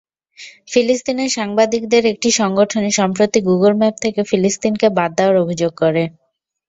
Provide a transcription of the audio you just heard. ফিলিস্তিনের সাংবাদিকদের একটি সংগঠন সম্প্রতি গুগল ম্যাপ থেকে ফিলিস্তিনকে বাদ দেওয়ার অভিযোগ করে।